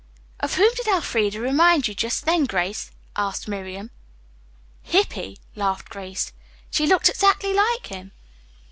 "Of whom did Elfreda remind you just then, Grace?" asked Miriam. "Hippy," laughed Grace. "She looked exactly like him."